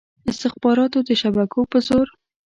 استخباراتو د شبکو په زور.